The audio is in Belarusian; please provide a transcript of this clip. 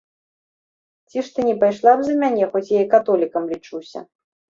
Ці ж ты не пайшла б за мяне, хоць я і католікам лічуся?